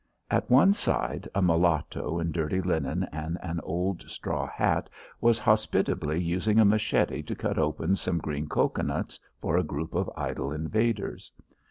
At one side, a mulatto in dirty linen and an old straw hat was hospitably using a machete to cut open some green cocoanuts for a group of idle invaders.